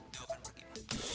dewo akan pergi pak